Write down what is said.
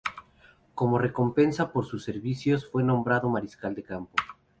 Como recompensa por sus servicios, fue nombrado mariscal de campo.